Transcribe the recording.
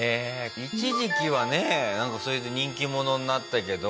一時期はねそれで人気者になったけど。